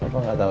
apa enggak tahu